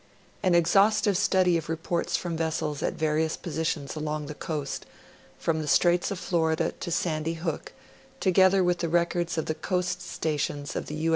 An exhaus tive study of reports from vessels at various positions along the coast, from the Straits of Florida to Sandy Hook, together with the records of the coast stations of the U.